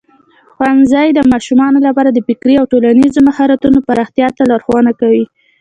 ښوونځی د ماشومانو لپاره د فکري او ټولنیزو مهارتونو پراختیا ته لارښوونه کوي.